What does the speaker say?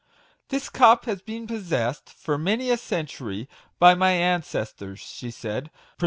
" This cup has been possessed, for many a century, by my ancestors/' she said; "pre MAGIC WORDS.